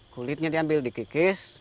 kulitnya diambil dikikis